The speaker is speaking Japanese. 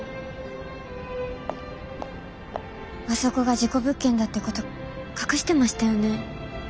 あそこが事故物件だってこと隠してましたよね？